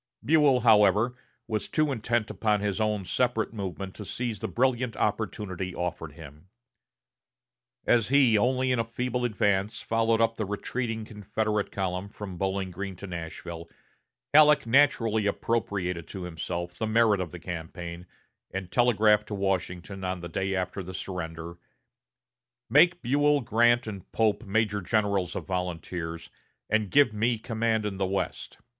Buell, however, was too intent upon his own separate movement to seize the brilliant opportunity offered him. As he only in a feeble advance followed up the retreating Confederate column from Bowling Green to Nashville, Halleck naturally appropriated to himself the merit of the campaign, and telegraphed to Washington on the day after the surrender: "Make Buell, Grant, and Pope major generals of volunteers, and give me command in the West.